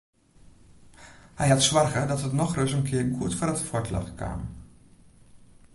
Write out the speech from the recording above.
Hy hat soarge dat it nochris in kear goed foar it fuotljocht kaam.